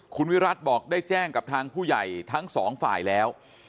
คุณวิรัติบอกได้แจ้งกับทางผู้ใหญ่ทั้งสองฝ่ายแล้ว